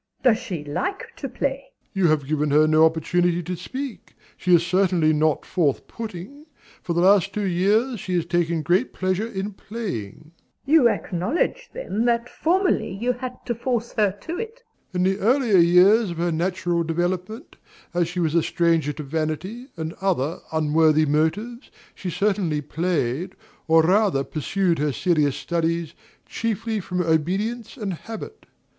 Does she like to play? DOMINIE. You have given her no opportunity to speak, she is certainly not forth putting. For the last two years she has taken great pleasure in playing. MRS. S. You acknowledge, then, that formerly you had to force her to it? DOMINIE. In the earlier years of her natural development, as she was a stranger to vanity and other unworthy motives, she certainly played, or rather pursued her serious studies, chiefly from obedience and habit.